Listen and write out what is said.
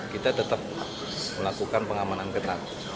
kita tetap melakukan pengamanan ketat